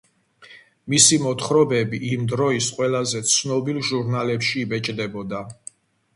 მისი მოთხრობები იმ დროის ყველაზე ცნობილ ჟურნალებში იბეჭდებოდა.